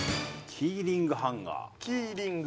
キーリングハンガー。